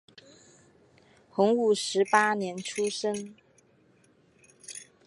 洪武十八年出生。